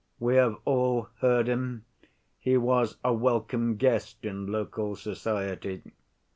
We have all heard him, he was a welcome guest in local society.